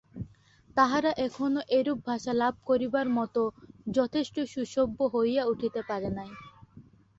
তাহারা এখনও এরূপ ভাষা লাভ করিবার মত যথেষ্ট সুসভ্য হইয়া উঠিতে পারে নাই।